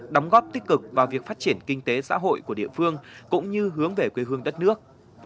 đóng góp tích cực vào việc phát triển kinh tế xã hội của địa phương cũng như hướng về quê hương đất nước